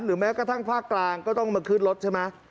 แม้กระทั่งภาคกลางก็ต้องมาขึ้นรถใช่ไหม